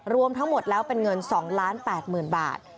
รวมทั้งหมดแล้วเป็นเงิน๒๘๐๐๐บาท